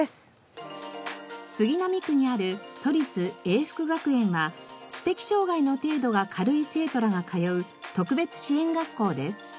杉並区にある都立永福学園は知的障害の程度が軽い生徒らが通う特別支援学校です。